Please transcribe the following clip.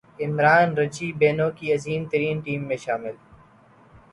Imran Richie Benaud کی عظیم ترین ٹیم میں شامل